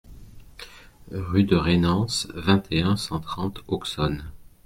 Rue de Rainans, vingt et un, cent trente Auxonne